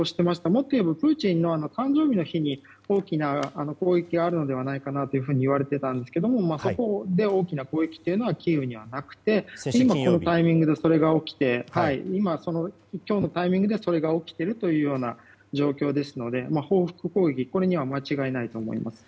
もっと言えばプーチン氏の誕生日の日に大きな攻撃があるのではないかといわれていたんですけどもそこで大きな攻撃というのはキーウではなくて今、このタイミングでこれが起きている状況ですので報復攻撃ということには間違いないと思います。